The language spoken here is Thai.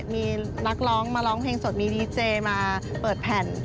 มีนักร้องมาร้องเพลงสดมีดีเจมาเปิดแผ่น